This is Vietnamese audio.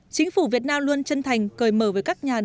chính phủ việt nam luôn chân thành cười mở với các nhà đồng tư